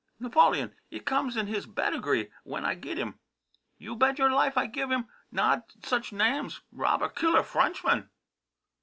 "Naboleon. It comes in his bedigree when I giddim. You bed your life I gif him nod such names robber, killer, Frenchman!"